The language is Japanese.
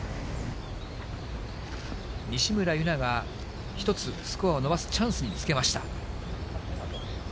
西村優菜が１つスコアを伸ばすチャンスにつけました。